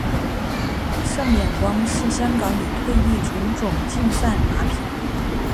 胜眼光是香港已退役纯种竞赛马匹。